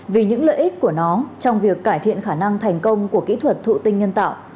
vì những lợi ích của nó trong việc cải thiện khả năng thành công của kỹ thuật thụ tinh nhân tạo